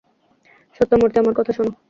সত্যমুর্তি আমার কথা শোনো।